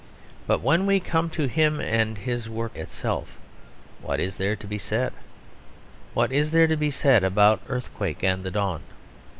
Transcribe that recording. But when we come to him and his work itself, what is there to be said? What is there to be said about earthquake and the dawn?